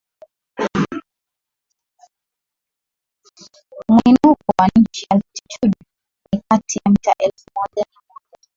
Mwinuko wa nchi altitudo ni kati ya mita elfu moja mia moja